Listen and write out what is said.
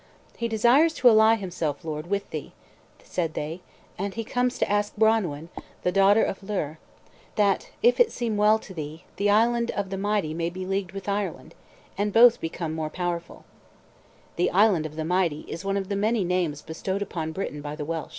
"He desires to ally himself, lord, with thee," said they, "and he comes to ask Branwen, the daughter of Llyr, that, if it seem well to thee, the Island of the Mighty [Footnote: The Island of the Mighty is one of the many names bestowed upon Britain by the Welsh.